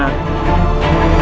tidak matinya tuh